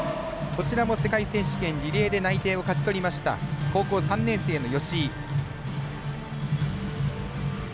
こちらも世界選手権リレーで内定を勝ち取りました高校３年生の吉井。